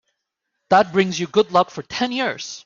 That brings you good luck for ten years.